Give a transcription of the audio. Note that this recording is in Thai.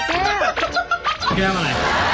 หาแก้วหาแก้ว